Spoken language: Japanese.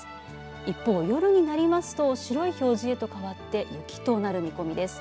一方、夜になりますと白い表示へと変わって雪となる見込みです。